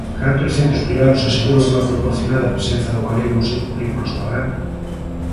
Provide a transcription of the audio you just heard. Cantos centros privados aseguran unha proporcionada presenza do galego no seu currículo escolar?